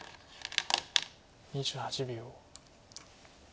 ２８秒。